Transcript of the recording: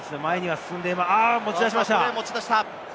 持ち出しました。